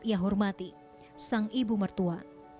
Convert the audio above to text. ia hormati sang ibu mertua